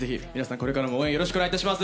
これからも応援よろしくお願いいたします。